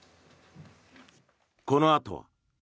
このあとは。